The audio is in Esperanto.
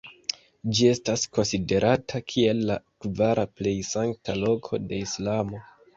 Ĝi estas konsiderata kiel la kvara plej sankta loko de Islamo.